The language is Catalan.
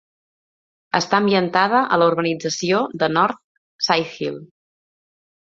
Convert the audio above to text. Està ambientada a la urbanització de North Sighthill.